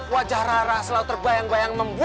wajah rara selalu terbayang bayang